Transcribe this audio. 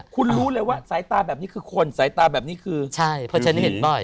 คุณรู้เลยว่าสายตาแบบนี้คือคนสายตาแบบนี้คือผี